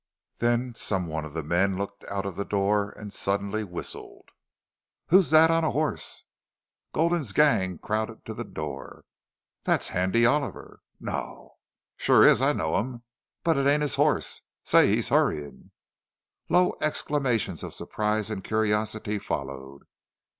Then some one of the men looked out of the door and suddenly whistled. "Who's thet on a hoss?" Gulden's gang crowded to the door. "Thet's Handy Oliver." "No!" "Shore is. I know him. But it ain't his hoss.... Say, he's hurryin'." Low exclamations of surprise and curiosity followed.